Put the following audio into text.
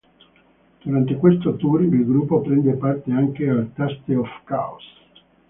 Durante questo tour il gruppo prende parte anche al Taste of Chaos.